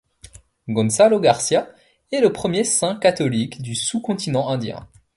Gonçalo Garcia est le premier saint catholique du sous-continent indien.